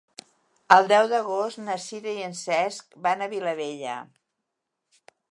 El deu d'agost na Sira i en Cesc van a Vilabella.